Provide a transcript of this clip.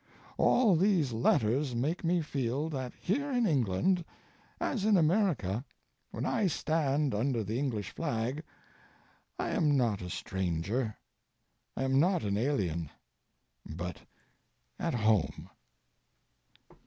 All these letters make me feel that here in England—as in America—when I stand under the English flag, I am not a stranger. I am not an alien, but at home.